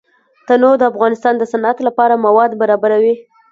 تنوع د افغانستان د صنعت لپاره مواد برابروي.